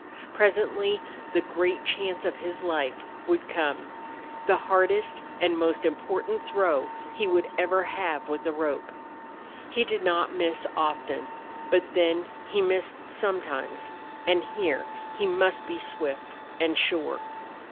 Presently the great chance of his life would come the hardest and most important throw he would ever have with a rope. He did not miss often, but then he missed sometimes, and here he must be swift and sure.